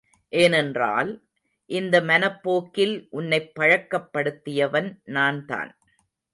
ஏனென்றால், இந்த மனப் போக்கில் உன்னைப் பழக்கப்படுத்தியவன் நான்தான்.